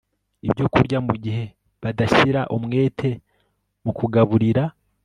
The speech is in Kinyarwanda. ibyokurya mu gihe badashyira umwete mu kugaburira